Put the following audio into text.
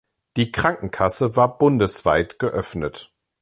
Die Krankenkasse war bundesweit geöffnet.